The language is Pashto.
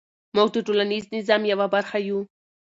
موږ د ټولنیز نظام یوه برخه یو.